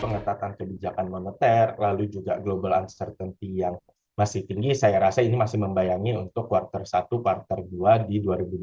pengetatan kebijakan moneter lalu juga global uncertainty yang masih tinggi saya rasa ini masih membayangi untuk quarter satu kuartal dua di dua ribu dua puluh